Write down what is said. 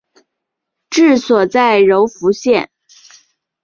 治所在柔服县。